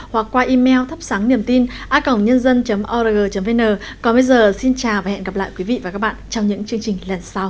hoặc qua email thắpsángniềm tinân org vn còn bây giờ xin chào và hẹn gặp lại quý vị và các bạn trong những chương trình lần sau